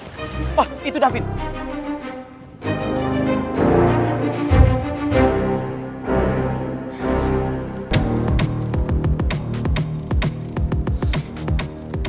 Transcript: kenapa semuanya jadi rumit gini sih